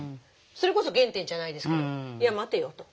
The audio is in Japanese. それこそ原点じゃないですけどいや待てよと。